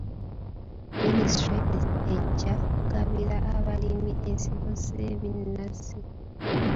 Minisitule ejja kugabira abalimi ensigo z'ebinazi.